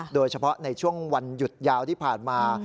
โดยเฉพาะในช่วงวันหยุดยาวที่ผ่านมา